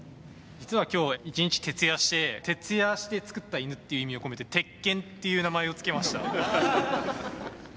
実は今日一日徹夜して「徹夜して作った犬」っていう意味を込めて「徹犬」っていう名前を付けました。